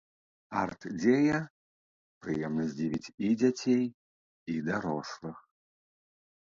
Арт-дзея прыемна здзівіць і дзяцей, і дарослых.